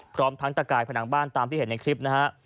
พร้อมทั้งตะกายผนังบ้านตามที่เห็นในคลิปนะฮะ